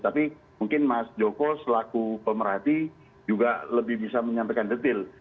tapi mungkin mas joko selaku pemerhati juga lebih bisa menyampaikan detail